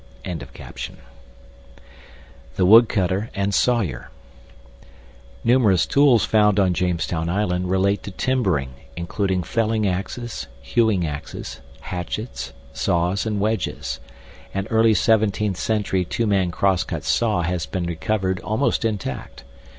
] THE WOODCUTTER AND SAWYER Numerous tools found on Jamestown Island relate to timbering, including felling axes, hewing axes, hatchets, saws, and wedges. An early 17th century two man crosscut saw has been recovered almost intact.